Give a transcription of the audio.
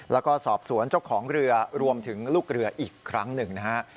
แล้วก็สอบสวนเจ้าของเรือรวมถึงลูกเรืออีกครั้งหนึ่งนะฮะ